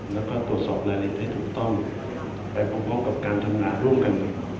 แล้วก็ตรวจสอบรายละเอียดให้ถูกต้องไปพร้อมกับการทำงานร่วมกัน